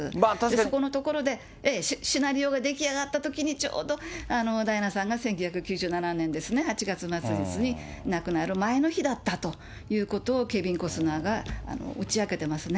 そこのところで、シナリオが出来上がったときにちょうどダイアナさんが１９９７年ですね、８月末日に亡くなる前の日だったということを、ケビン・コスナーが打ち明けてますね。